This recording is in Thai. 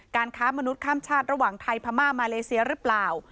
ค้ามนุษย์ข้ามชาติระหว่างไทยพม่ามาเลเซียหรือเปล่า